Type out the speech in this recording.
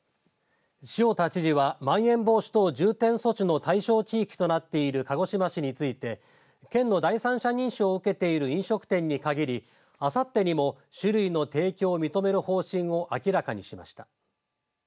塩田知事はまん延防止等重点措置の対象地域となっている鹿児島市について県の第三者認証を受けている飲食店にかぎりあさってにも酒類の提供を認める方針を明らかにしました。